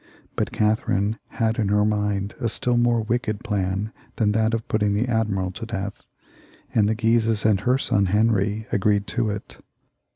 But Catherine had in her mind a still more wicked plan than that of putting the admiral to death ; and the Guises and her son Henry agreed to it.